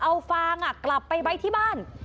เอาฟางกลับไปไว้ที่บ้าน